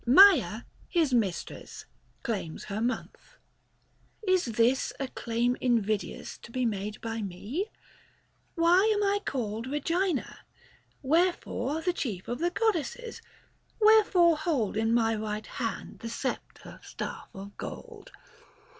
Maia, his mistress, claims her month ; is this 40 A claim invidious to be made by me ? Why am I called Regina ? wherefore the Chief of the goddesses ? wherefore hold In my right hand the sceptre staff of gold